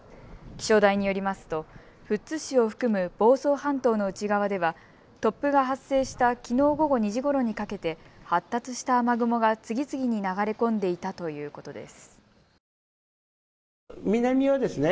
気象台によりますと富津市を含む房総半島の内側では突風が発生したきのう午後２時ごろにかけて発達した雨雲が次々に流れ込んでいたということです。